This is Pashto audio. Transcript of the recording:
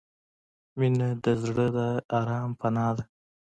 • مینه د زړه د آرام پناه ده.